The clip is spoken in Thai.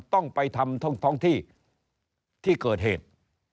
ต้องไปทำท้องที่ที่เกิดเหตุ